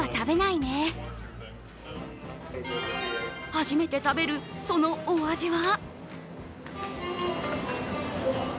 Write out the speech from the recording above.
初めて食べるそのお味は？